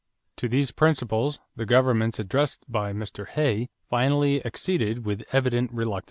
To these principles the governments addressed by Mr. Hay, finally acceded with evident reluctance.